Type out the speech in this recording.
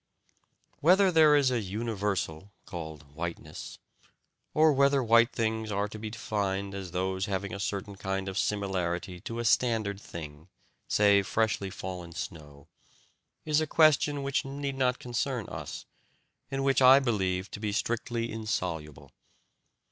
Whether there is a universal, called "whiteness," or whether white things are to be defined as those having a certain kind of similarity to a standard thing, say freshly fallen snow, is a question which need not concern us, and which I believe to be strictly insoluble.